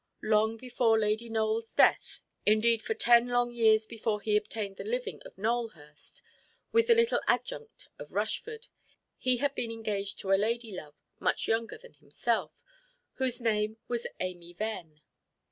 Long before Lady Nowellʼs death, indeed for ten long years before he obtained the living of Nowelhurst, with the little adjunct of Rushford, he had been engaged to a lady–love much younger than himself, whose name was Amy Venn.